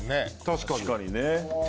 確かにね。